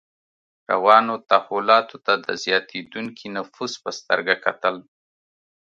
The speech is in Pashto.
روانو تحولاتو ته د زیاتېدونکي نفوذ په سترګه کتل.